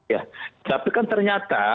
ya tapi kan ternyata